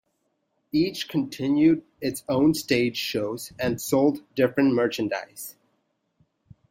Each continued its own stage shows and sold different merchandise.